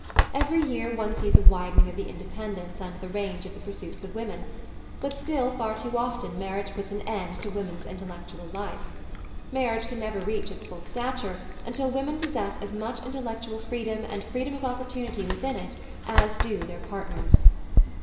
Every year one sees a widening of the independence and the range of the pursuits of women : but still, far too often, marriage puts an end to woman's intellectual life. Marriage can never reach its full stature until women possess as much intellectual freedom and freedom of opportunity within it as do their partners.